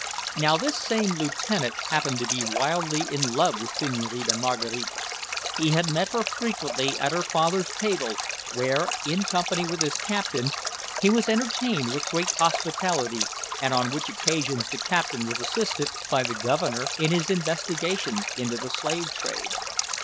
Now this same lieutenant happened to be wildly in love with Senhorina Maraquita. He had met her frequently at her father's table, where, in company with his captain, he was entertained with great hospitality, and on which occasions the captain was assisted by the Governor in his investigations into the slave trade.